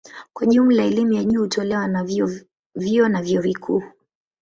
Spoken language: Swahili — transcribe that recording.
Kwa jumla elimu ya juu hutolewa na vyuo na vyuo vikuu.